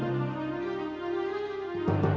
lakukan pa paper pie